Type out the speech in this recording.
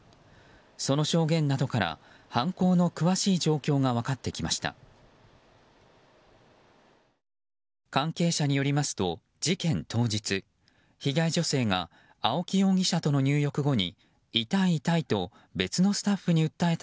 その証言などから犯行の詳しい状況が分かってきました。